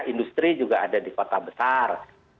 industri juga ada di kota besar